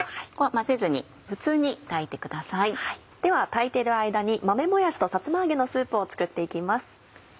混ぜずに普通に炊いてください。では炊いてる間に豆もやしとさつま揚げのスープを作って行きます。